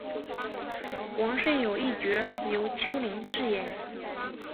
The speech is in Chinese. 王顺友一角由邱林饰演。